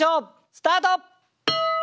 スタート！